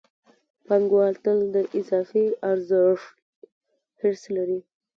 پانګوال تل د اضافي ارزښت حرص لري